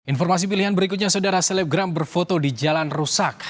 informasi pilihan berikutnya saudara selebgram berfoto di jalan rusak